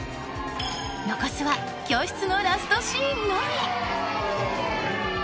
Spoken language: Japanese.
［残すは教室のラストシーンのみ］